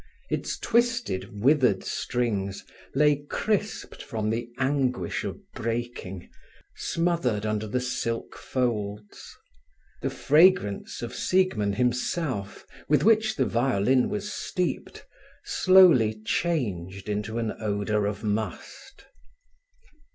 Its twisted, withered strings lay crisped from the anguish of breaking, smothered under the silk folds. The fragrance of Siegmund himself, with which the violin was steeped, slowly changed into an odour of must.